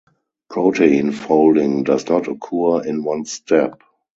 Protein folding does not occur in one step.